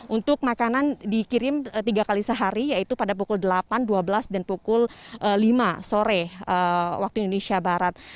untuk makanan dikirim tiga kali sehari yaitu pada pukul delapan dua belas dan pukul lima sore waktu indonesia barat